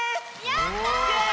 やった！